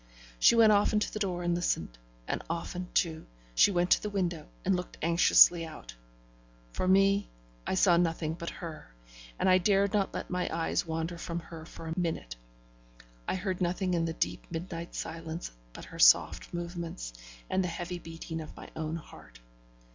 She went often to the door and listened; and often, too, she went to the window, and looked anxiously out. For me, I saw nothing but her, and I dared not let my eyes wander from her for a minute; and I heard nothing in the deep midnight silence but her soft movements, and the heavy beating of my own heart.